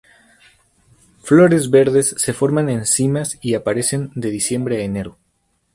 Flores verdes se forman en cimas y aparecen de diciembre a enero.